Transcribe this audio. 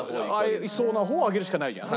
合いそうな方を上げるしかないじゃん。